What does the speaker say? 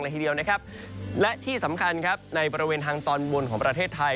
ทีเดียวนะครับและที่สำคัญครับในบริเวณทางตอนบนของประเทศไทย